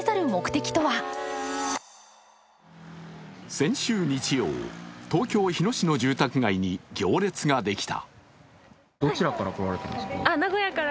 先週日曜、東京・日野市の住宅街に行列ができた。